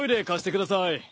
貸してください。